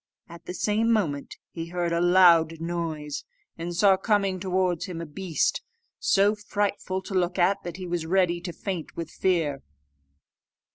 At the same moment he heard a loud noise, and saw coming towards him a beast, so frightful to look at that he was ready to faint with fear.